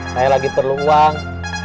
saya lagi perlu uang